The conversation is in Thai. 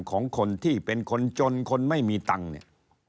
ของคนที่เป็นคนจนคนไม่มีตังค์เนี่ย